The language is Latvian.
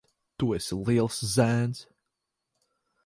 Tu esi liels zēns.